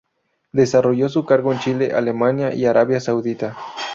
Desarrolló su cargo en Chile, Alemania y Arabia Saudita.